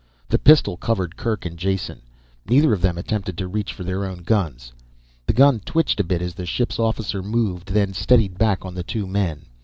The pistol covered Kerk and Jason. Neither of them attempted to reach for their own guns. The gun twitched a bit as the ship's officer moved, then steadied back on the two men.